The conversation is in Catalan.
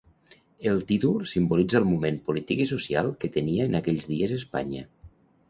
El títol simbolitza el moment polític i social que tenia en aquells dies Espanya.